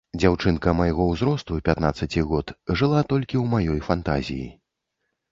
Дзяўчынка майго ўзросту, пятнаццаці год, жыла толькі ў маёй фантазіі.